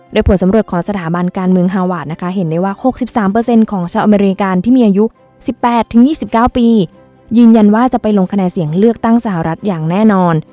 โดยผลสำรวจของสถาบันการเมืองฮาวาสนะคะเห็นได้ว่า๖๓ของชาวอเมริกาที่มีอายุ๑๘๒๙ปียืนยันว่าจะไปลงคะแนนเสียงเลือกตั้งสหรัฐอย่างแน่นอน